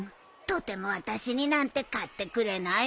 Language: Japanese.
とても私になんて買ってくれないわ。